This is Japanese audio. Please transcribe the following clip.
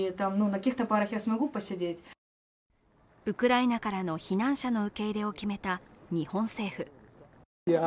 ウクライナからの避難者の受け入れを決めた日本政府。